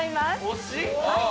はい。